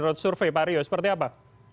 menurut survei pak rio seperti apa